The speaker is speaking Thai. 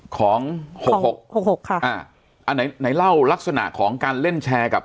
ของหกหกหกหกค่ะอ่าอันไหนไหนเล่าลักษณะของการเล่นแชร์กับ